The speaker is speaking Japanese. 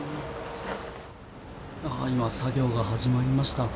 今、作業が始まりました。